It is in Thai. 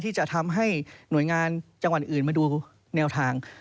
ที่จะทำให้หน่วยงานจังหวัดอื่นมาดูแนวทาง